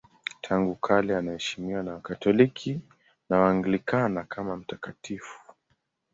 Tangu kale anaheshimiwa na Wakatoliki na Waanglikana kama mtakatifu.